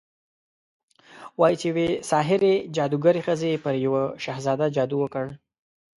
وايي چې يوې ساحرې، جادوګرې ښځې پر يو شهزاده جادو وکړ